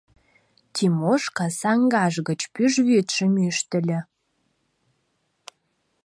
Тимошка саҥгаж гыч пӱжвӱдшым ӱштыльӧ.